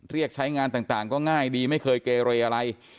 เรียกใช้งานต่างก็ง่ายดีไม่เคยเกเรอะไร